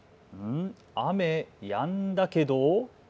雨やんだけど。